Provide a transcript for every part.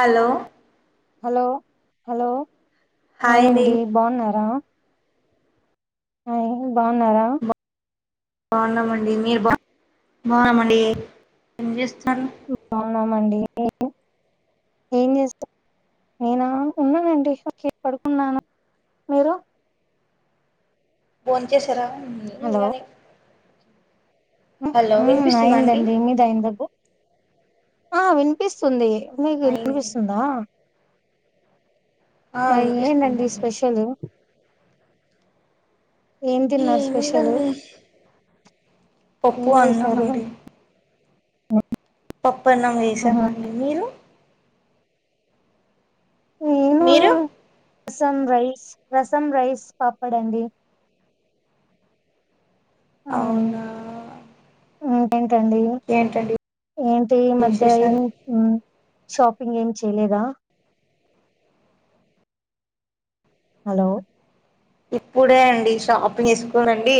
Hello hello hello hi అండి హాయండి బాగున్నారా ఆ బాగున్నారా బాగున్నామండి మీరు బా బాగున్నామండి ఏం చేస్తారు బానామండి ఏం చేస్తారు నేనా ఉన్నానండి పడుకున్నాను మీరు బోన్ చేసారా హలో ఇలానే ఉ హలో వినిపిస్తుందా అండి అయిందండి మీది అయిందా ఆ వినిపిస్తుంది మీకు అయింది. వినిపిస్తుందా ఆ ఇంకా ఏంటి అండి వినిపిస్తుందండి స్పెషల్ ఏం తిన్నారు స్పెషల్ ఏముందీ పప్పు అన్నామండి వఓ పప్పనం వేసామండి మీరు నేను మీరు రసం రైస్ రసం రైస్ పాపడ అండి అవునా ఇంకా ఏంటండీ ఏంటండి ఏంటి ఈ మధ్య విశేషాలు షాపింగ్ ఏం చేయలేదా హలో ఇప్పుడే అండి షాపుంగ్ తీసుకోనిండి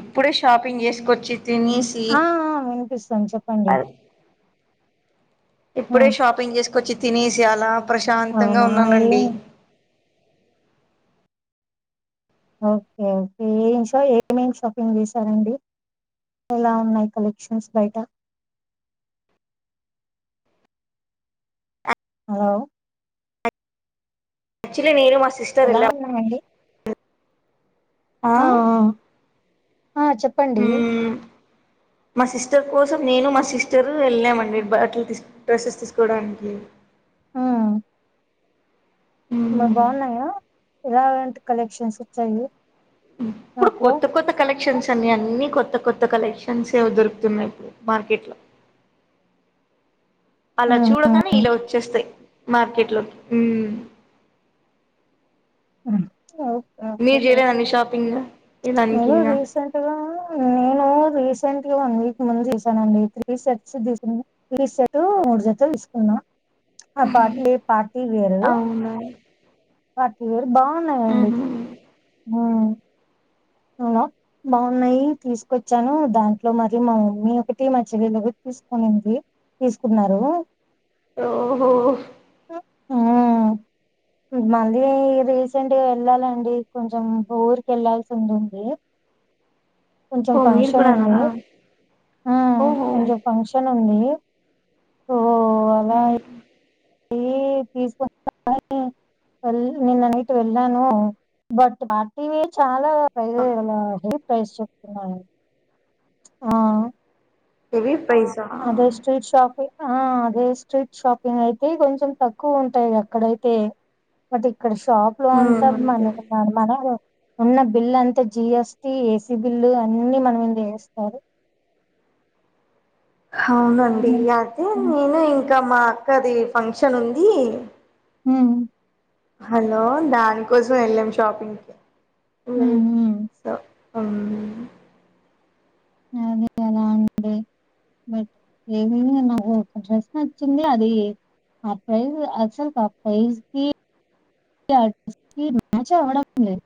ఇప్పుడే షాపింగ్ చేసుకొచ్చి తినేసి ఆ ఆ వినిపిస్తుంది చెప్పండి అల్ ఆ ఇప్పుడే షాపింగ్ చేసుకొచ్చి తినేసి అలా ప్రశాంతంగా అవునా ఉన్నానండి ఏమి ఓకే ఓకే ఏషో ఏమేం షాపింగ్ చేసారండి ఎలా ఉన్నాయి కలెక్షన్స్ బయట హలో చ్చుల్లి నేను మా ఎలా ఉన్నారండి ఆ ఆ చెప్పండి మ్మ్ మా సిస్టర్ కోసం నేను మా సిస్టర్ వెల్లామండి బట్లు తీస్ డ్రెస్సెస్ తీసుకోవడానికి ఆ మరి మ్మ్ బాగున్నాయా ఎలాంటి కలెక్షన్స్ వచ్చాయి ఇప్పుడు షాప్ లో కొత్త కొత్త కల క్షన్స్ అన్ని అన్ని కొత్త కొత్త కలెక్షన్స్ ఏ దొరుకుతున్నాయి ఇప్పుడు మార్కెట్లో అలా చూడగానే ఇలా వచ్చేస్తాయి మార్కెట్లోకి ఊ ఆ మీరు ఓకేే చేయలేదండి షాపింగ్ ఇదానికి నేను ఇంగా రీసెంట్గా నేను రీస్ రీసెంట్గా వన్ వీక్ ముందు చేసాను అండి త్రీ సెట్స్ తీ తట్ మూడు జతలు తీసుకున్నా అ పార్టీ పార్టీ వేరు అవునా వాటీ వేరు బాగున్నాయండి మ్మ్ ఉ అవునా బాగున్నాయి తీసుకొచ్చాను దాంట్లో మరి మా మీ ఒకటి మా చెల్లెలు తీసుకునిండి తీసుకున్నారు ఓహో ఆ మళ్ళీ రీసెంట్గా వెళ్ళాలండి కొంచెం ఊరికి వెళ్ళాల్సి ఉండింది కొంచెం ఓ మీరు ఫంక్షన్ ఉంది కూడానా ఆ ఓహో కొంచెం ఫంక్షన్ ఉంది తీసుకు నిన్న నైటు వెళ్ళాను బట్ ఆ టీవీ చాలా ఇలా హె ప్రైస్ చెప్తున్నా ఆ ఇవి అదే స్ట్రీట్ షాప్ ఆ అదే స్ట్రీట్ షాపింగ్ అయితే కొంచెం తక్కువ ఉంటాయి అక్కడైతే బట్ ఇక్కడ షాప్ లో అంతా అంతే మన మన ఉన్న బిల్లు అంతా జీఎస్టి ఏసీ బిల్లు అన్నీ మనం మింద ఏస్తారు హవునండి ఉమ్ అయితే నేను ఇంకా మా అక్కది ఫంక్షన్ ఉంది ఉ హలో దానికోసం వెళ్ళాం షాపింగ్కి ఉహు అం అదే కదా అండి బట్ ఏమన్నా ఒక డ్రెస్ నచ్చింది అది ఆ ప్రైజ అసలు ప్రైజకి ఆ డ్రస్కి మ్యాచ్ అవ్వడం లేదు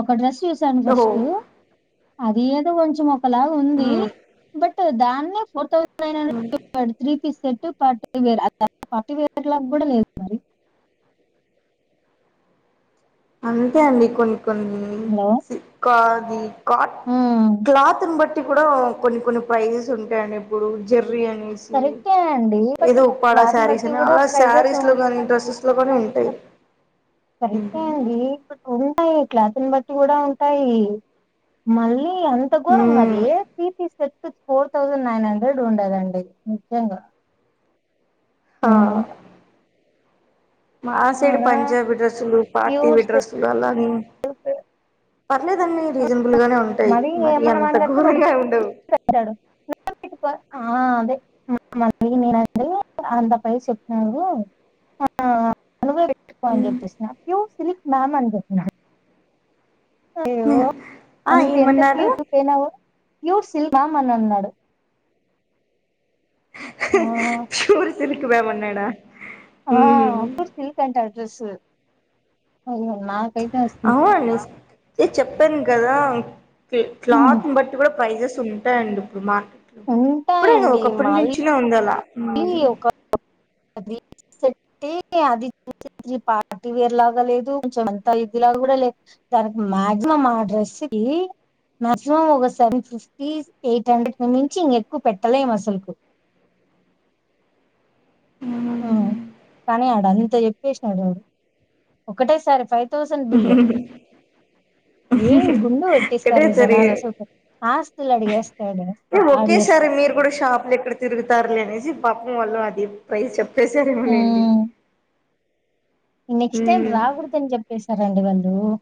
ఒక డ్రెస్ చూసాను ఓహో ఫస్ట్ అది ఏదో కొంచ మొక్కలా ఉంది బట్ దాన్ని four thousand nine hundred three piece party వే ఫార్టీ వేర్ క్లాక్ కూడా లేదు మరి అంతే అండి కొన్ని కొన్ని హలో సిక్కది కాట్ క్లాత్ ని బట్టి కూడా కొన్ని కొన్ని ప్రైజెస్ ఉంటాయండి ఇప్పుడు జర్ జెర్రీ అనేసి కరెక్టే అండి బట్ ఏదో ఉప్పాడ క్లాత్ సారీస్ బట్టి అని కూడా అలా ప్రైజెస్ సారీస్ లో ఉంటాయి గాని డ్రెస్సెస్ లో కూడా ఉంటాయి సరిత ఏంటండి లే ఉంటాయి క్లాసుని బట్టి కూడా ఉంటాయి మళ్ళీ అంత ఘోరంగా అది మ్మ్ three piece set four thousand nine hundred ఉండదండి నిజంగా ఆ ఉమ్ మా సైడ్ అలా పంజాబీ డ్రెస్సులు పార్టీ వారే డ్రెస్సులు అలాని ఇంకా పర్లేదు అండి రీజనబుల్ గానే ఉంటాయి మరి ఏమన్నా అంత మాట్లాడితే వాడు ఘోరంగా ఉండవు తిడతాడు [unintelligible] ఆ అదే మళ్ళీ నేను అయితే అదే అంత ప్రైస్ చెప్నానడు ఆ నువ్వే పెట్టుకో అని చెప్పేసిన యు సిలిక్ మ్యామ్ అని చెప్పిన అయ మ్మ్ ఆ అంత ఎంత ఏమన్నారు పూతు సనావు యు సీల్ మామ్ అని అన్నాడు ఆ స్లిక్ మామ్ అన్నాడా ఆ మ్మ్ అప్పుర్ సిల్క్ంట అడ్రెస్ అసలు అవు అని చెప్పాను కదా ఉమ్, క్లాత్ బట్టి కూడా ప్రైజెస్ ఉంటాయిండి ఇప్పుడుమా ఇప్పుడే ఉంటాయండి ఒకప్పటి మళ్ళీ నుంచిన ఉంది అలా ఒక గ్రీన్ అది చ పార్టీ వేర్ లాగా లేదు కొంచెం అంత ఇదిలాగా కూడా లేదు తనకి మాక్సిమమ్ ఆ డ్రెస్కి కి మాక్సిమం ఒక సెవెన్ ఫిఫ్టీ ఎయిట్ హండ్రెడ్ మించి ఇంకెక్కువ పెట్టలే అసలుకు మ్ కానీ ఆడు అంత చెప్పేసినాడుడు ఒకక్కటేసారి ఫై తోసన్ బిల్ ఏం గుండు ఒకటే కోట్టిస్తారు సరి జనాల అసలికి ఆస్తులు అడిగేస్తాయి అడిగేస్త ఒకేసారి అడిగేస్తారు మీరు కూడా షాపులు ఎక్కడ తిగుతారులే అనేసి పాపం వాళ్ళు అది ప్రైజ్ చెప్పేసారేమో లేండి నెక్స్ట్ టైం రాకూడదు అని చెప్పేసి సరండి బళుమ్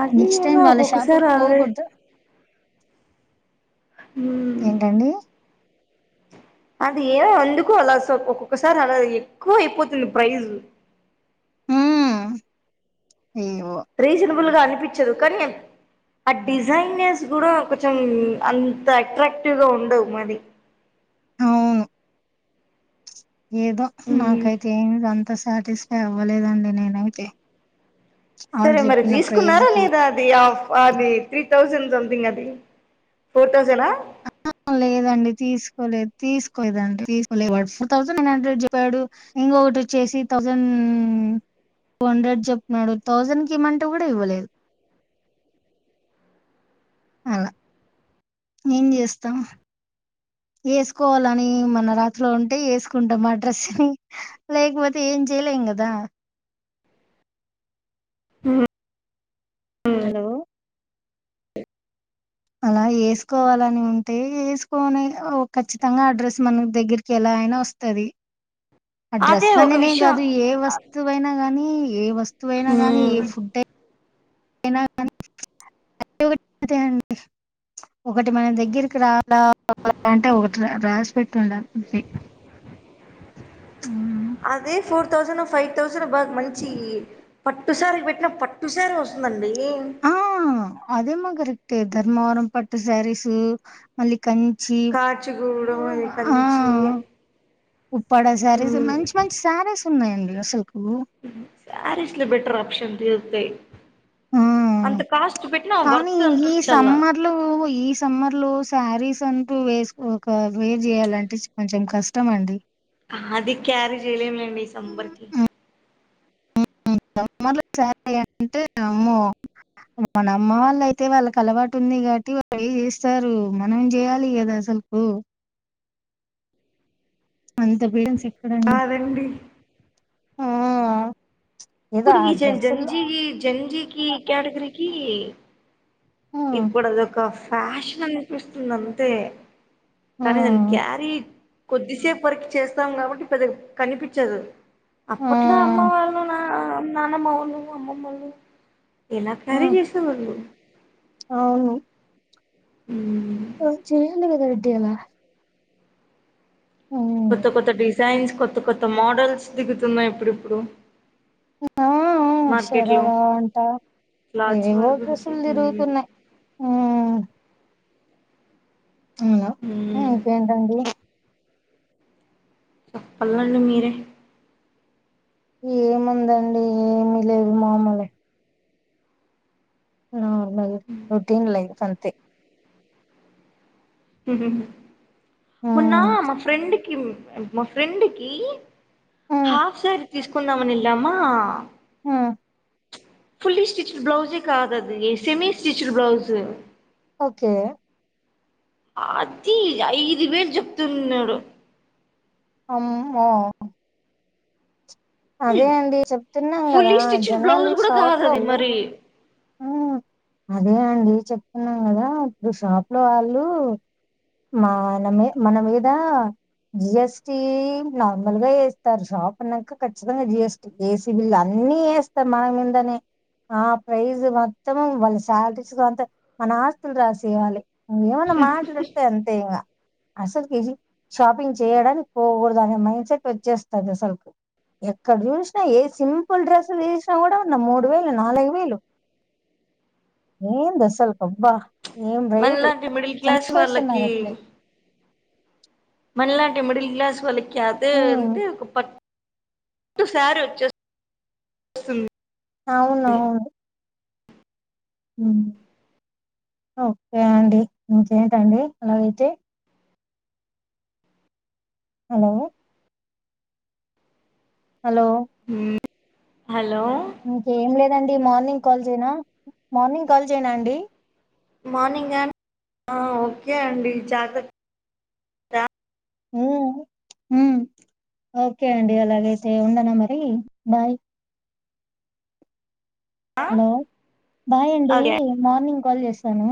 అది నెక్స్ట్ టైం ఏమో వాళ్ళ ఒక్కొక్కసారి షాపుకి ఆల్రె పోకూడదుా హ అది ఏదో అందుకు అలా స ఒక్కొక్కసారి అలా ఎక్కువ అయిపోతుంది ప్రైజ్ మ్ ఏవో ఫుల్ గా అనిపించాడు కానీ ఆ డిజైైనర్స్ కూడా కొంచెం అంత అట్రాక్టివ్గా ఉండవు మరి అవును ఏదో ఉమ్ నాకైతే ఏ అంత అంత సాటిస్ఫై అవ్వలేదండి నేనైతే ఆళ్ళు సరే మరి చెప్పిన ప్రైజ్ తీసుకున్నారా కి లేదా అది ఆ్ అది త్రీ థౌసండ్ సొమెథింగ్ అది ఫోర్ థౌసండ్ అహ లేదండి తీసుకోలేదు తీసుకోలేదండి తీసుకోలే ఫోర్ థౌసండ్ నైన్ హండ్రెడ్ జెప్పాడు ఇంకొటి వచ్చేసి థౌసండ్ టూ హండ్రెడ్ చెప్నడు థౌజండ్ కి ఇమ్మంటూ కూడా ఇవ్వలేదు అలా ఏం చేస్తా వేసుకోవాలని మన రాత్రిలో ఉంటే వేసుకుంటాం ఆడ్రస్ని లేకపోతే ఏం చే చేలేంగదా ఆ హలో అలా వేసుకోవాలని ఉంటే వేసుకొని ఖచ్చితంగా అడ్రస్ మన దగ్గరికి వెళ్లా ఎలైనా వస్తది ఆ డ్రెస్ అదే ఒక అననే విషయం కాదు ఏ వస్తువు అయినా కానీ ఏ వస్తు వస్తువయినా గానీ ఏ ఉమ్ ఫుడ్ అయినా గాని అండి ఒకటి మన దగ్గరికి రాలం అంటే ఒకటి రాసి పెట్టుండ అది థౌసండ్ ఫైవ్ థౌసండ్ బాగ మంచి పట్టుసారి పెట్టిన పట్టుసారి వస్తుందండి ఆ అదే మా కరెక్ట్ ధర్మవరం పట్టు సారీసు మళ్ళి కంచి కాచిగూడెం ఆ కంచి ఉప్పడ శారీస్ మ్ మంచి మంచి శారీస్ ఉన్నాయండి అసల్క్ సారిస్లు బెటర్ ఆప్షన్ తీరుతయ్ ఆ ఉ కానీ వర్త్ ఈ అనిపించల్లా సమ్మర్లు ఈ సమ్మర్లో శారీస్ కంటూ వేస్ ఒక వే చేయాలంటే కొంచెం కష్టమ అండి అది కారి చేయలేం లేండి ఈ సంబర్కి సమ్మర్లో సారి అంటే అమ్మో మన అమ్మ వాళ్ళ అయితే వాళ్ళకి అలవాటు ఉంది కాబట్టి వాళు ఏ చేస్తారు మనం చేయాలి కదా అసలు అంత బీడసి అదండి ఆ ఏదో ఆ ఇప్పుడుకి జ డ్రెస్సుల్లో జంజీకి జంజీకి కేటగిరికి ఆ ఇప్పుడు అదొక ఫ్యాషన్ అనిపిస్తుంది అంతే ఆ కానీ దాన్ని క్యారీ కొద్దిసేపు వరకు చేస్తాం కాబట్టి పెద్దగ కనిపించదు ఆ అప్పట్లో అమ్మ వాళ్ళు నా నాన్నమ్మ వాళ్లు అమ్మమ్మళ ఎలా ఆ కారీ చేసేవాళ్ళు అవును మ్మ్. ఆ చేయ్యండి కదాట్టాల కొత్త కొత్త డిజైన్స్ కొత్త కొత్త మోడల్స్ దిగుతున్నాయి ఇప్పుడిప్పుడు మార్కెట్ లో ఆషరరా అంటా క్లాత్స్ ఇవిగో వారి గురించి డ్రెస్సులు మ్మ్. తిరుగుతున్నయి అ అవున మ్మ్. ఇంకేంటండి చెప్పల్లండి మీరే ఏముందండి ఏమి లేదు మామూలే నార్మల్ రొటీన్ లైఫ్ అంతే మ్మ్ మొన్నా మా ఫ్రెండ్కి కిమ్ మా ఫ్రెండ్ కి మ్మ్ హాఫ్ సారీ తీసుకుందామని వెళ్ళామా? ఆ ఫుల్లీ స్టిచడ్ బ్లౌజే కాదది సెమి స్టిచడ్ బ్లౌజు ఓకే ఆ అది ఐదు వేలు చెప్తున్నాడు. అమ్మో అదే అండి చెప్తున్నాం కదా ఫుల్లీ స్టిచ్డ్ జనాలు బ్లౌజ్ కూడా షాప్ కాదు అది లోళు మరి ఊ అదే అండి చెప్తున్నాం కదా ఇప్పుడు షాప్ లో వాళ్ళు మావాళ్ళమే మన మీదా జిఎస్టి నార్మల్గా వేస్తారు షాప్ అన్నాక ఖచ్చితంగా జిఎస్టి ఏసీ బిల్లు అన్ని అన్నీ ఏస్తారు మా మీందనే ఆ ప్రైజ్ మొత్తం వాళ్ళ శాలరీస్ అంత మన ఆస్తులు రాసేయవాలి ను ఏమన్నా మాట్లాడ సరితేంగ అసలుకేజీ షాపింగ్ చేయడానికి పోకూడదు అనే మైండ్ సెట్ వచ్చేస్తది అసలుకి ఎక్కడ చూసినా ఏ సింపుల్ డ్రెస్సులు వెసినా కూడా ఉన్న మూడు వేలు, నాలుగు వేలు ఏంది అసల్కి అబ్బా ఏం రేట్లు మనలాంటి మిడిల్ క్లాస్ చంపేస్తున్నారు వాళ్ళకి అట్లే మలాంటి మిడిల్ గ్లాస్ వలికెదు హ్మ్. అంటే కుప్ప ఒకసారి వచ్చే వస్తుంది అవునవును మ్ ఓకే అండి ఇంకేంటండి లాంచి హలో హలో హలో ఇంకేం లేదండి మార్నింగ్ కాల్ చేయనా, మార్నింగ్ కాల్ చేయనా అండి? మార్నింగ ఆ ఓకే అండి జాత ద ఉమ్ హ ఓకే అండి అలాగైతే ఉండనా మరి బాయ్ హలో బాయ్ అండి ఓకే మార్నింగ్ కాల్ చేస్తాను.